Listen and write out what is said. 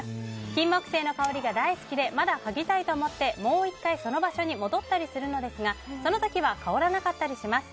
キンモクセイの香りが大好きでまたかぎたいと思ってもう１回その場所に戻ったりしますがその時は香らなかったりします。